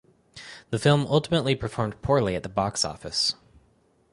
The film ultimately performed poorly at the box office.